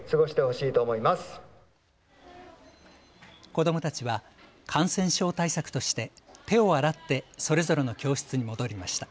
子どもたちは感染症対策として手を洗ってそれぞれの教室に戻りました。